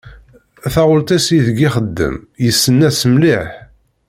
Taɣult-is i deg ixeddem yessen-as mliḥ.